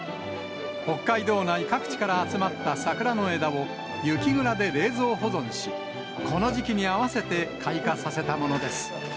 北海道内各地から集まった桜の枝を、雪蔵で冷蔵保存し、この時期に合わせて開花させたものです。